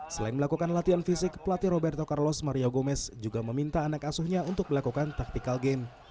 selain melakukan latihan fisik pelatih roberto carlos mario gomez juga meminta anak asuhnya untuk melakukan taktikal game